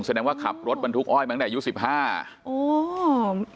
สมมติว่าขับรถบรรทุกอ้อยมั้งเนี่ยอายุ๑๕